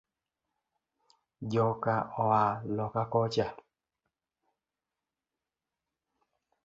Joka oa loka kocha.